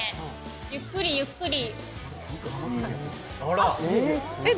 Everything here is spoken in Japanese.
ゆっくりゆっくり。